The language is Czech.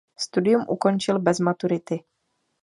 Studium ukončil bez maturity.